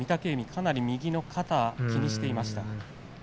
かなり右の肩を気にしていました。